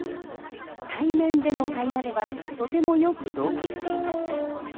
対面での会話ではとてもよく同期していました。